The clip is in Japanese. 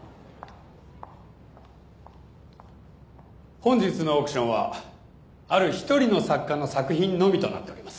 本日のオークションはある一人の作家の作品のみとなっております。